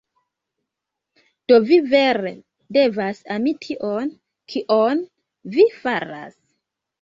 Do vi vere devas ami tion, kion vi faras.